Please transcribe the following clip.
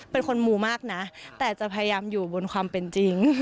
เป็นคนมูมากนะแต่จะพยายามอยู่บนความเป็นจริง